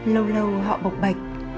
lâu lâu họ bộc bạch